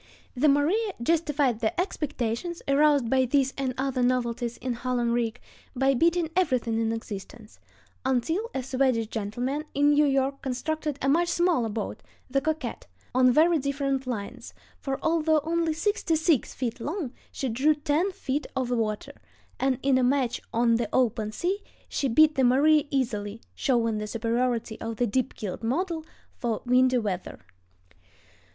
The Maria justified the expectations aroused by these and other novelties in hull and rig by beating everything in existence, until a Swedish gentleman in New York constructed a much smaller boat, the Coquette, on very different lines, for although only sixty six feet long she drew ten feet of water; and in a match on the open sea she beat the Maria easily, showing the superiority of the deep keeled model for windy weather.